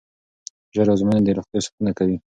ژر ازموینه د روغتیا ساتنه کوي.